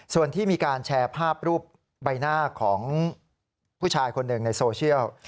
ส่วนที่มีการแชร์ภาพรูปใบหน้าของผู้ชายคนหนึ่งในโซเชียล